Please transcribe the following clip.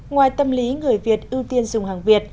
ngoài tâm lý người việt ưu tiên dùng hàng việt